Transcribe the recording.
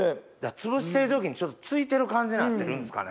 つぶしてる時にちょっとついてる感じなってるんですかね。